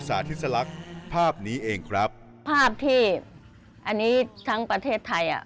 สาธิสลักษณ์ภาพนี้เองครับภาพที่อันนี้ทั้งประเทศไทยอ่ะ